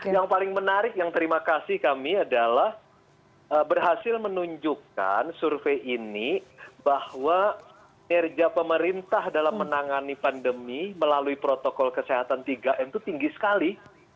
yang paling menarik yang terima kasih kami adalah berhasil menunjukkan survei ini bahwa nerja pemerintah dalam menangani pandemi melalui protokol kesehatan tiga m itu tinggi sekali